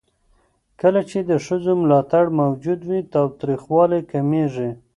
کله چې د ښځو ملاتړ موجود وي، تاوتريخوالی کمېږي.